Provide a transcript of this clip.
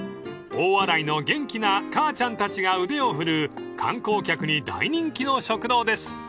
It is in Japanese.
［大洗の元気な母ちゃんたちが腕を振るう観光客に大人気の食堂です］